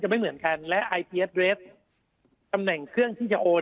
ไม่เหมือนกันและไอเทียสเรสตำแหน่งเครื่องที่จะโอน